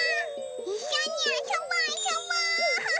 いっしょにあそぼあそぼ！